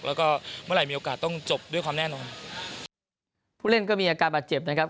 แล้วก็เมื่อไหร่มีโอกาสต้องจบด้วยความแน่นอนผู้เล่นก็มีอาการบาดเจ็บนะครับ